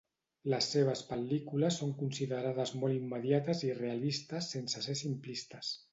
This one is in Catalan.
Les seves pel·lícules són considerades molt immediates i realistes sense ser simplistes.